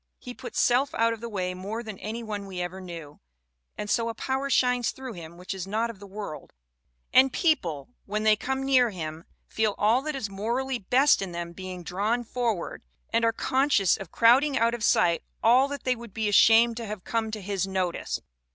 He puts self out of the way more than any one we ever knew, and so a power shines through him which is not of this world, and people, when they come near him, feel all that is morally best in them being drawn forward, and are conscious of crowding out of sight all that they would be ashamed to have come to his notice."